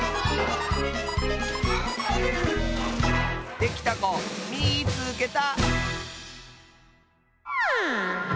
できたこみいつけた！